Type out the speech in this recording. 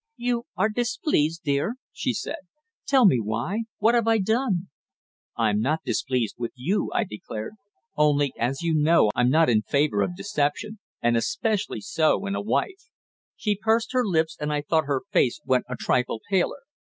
"You are displeased, dear," she said. "Tell me why. What have I done?" "I'm not displeased with you," I declared. "Only, as you know, I'm not in favour of deception, and especially so in a wife." She pursed her lips, and I thought her face went a trifle paler.